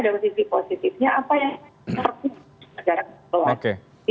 bahwa di sini ada posisi positifnya apa yang terjadi